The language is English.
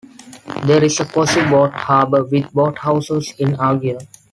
There is a cosy boat harbour with boathouses in Argir.